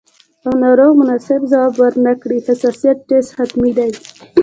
او ناروغ مناسب ځواب ورنکړي، حساسیت ټسټ حتمي دی.